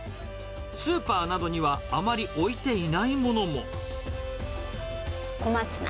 スーパーなどにはあまり置いていないものも。